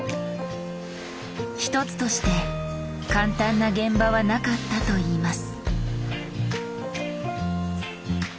一つとして簡単な現場はなかったといいます。